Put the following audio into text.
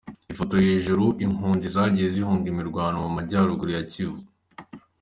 Ifoto hejuru : Impunzi zagiye zihunga imirwano mu majyaruguru ya Kivu.